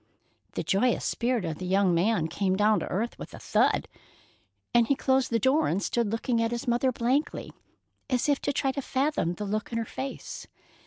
The joyous spirit of the young man came down to earth with a thud, and he closed the door and stood looking at his mother blankly, as if to try to fathom the look in her face.